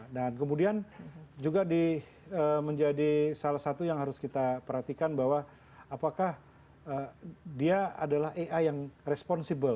dan kemudian juga menjadi salah satu yang harus kita perhatikan bahwa apakah dia adalah ai yang responsibel